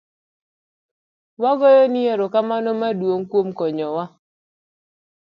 Wagoyo ni erokamano maduong' kuom konyo wa